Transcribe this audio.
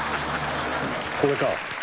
「これか」